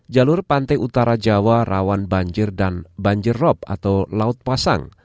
jalur pantai utara jawa rawan banjir dan banjir rob atau laut pasang